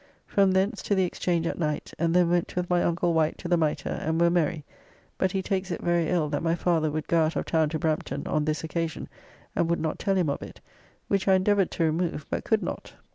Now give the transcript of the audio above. From thence to the Exchange at night, and then went with my uncle Wight to the Mitre and were merry, but he takes it very ill that my father would go out of town to Brampton on this occasion and would not tell him of it, which I endeavoured to remove but could not.